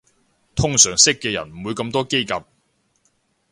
通常識嘅人唔會咁多嘰趷